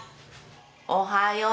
おはよう。